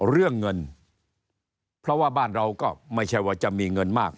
เรื่องเงินเพราะว่าบ้านเราก็ไม่ใช่ว่าจะมีเงินมาก